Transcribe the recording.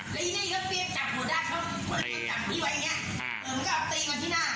ทีแตกถึงมันเจ็บกว่างเนี้ย